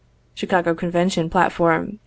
Chicago Convention Platform, 1860.